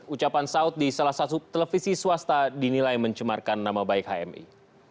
ucapan saud di salah satu televisi swasta dinilai mencemarkan nama baik hmi